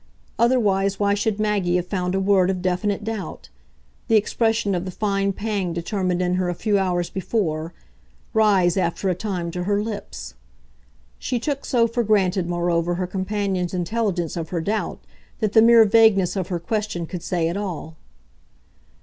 Otherwise why should Maggie have found a word of definite doubt the expression of the fine pang determined in her a few hours before rise after a time to her lips? She took so for granted moreover her companion's intelligence of her doubt that the mere vagueness of her question could say it all.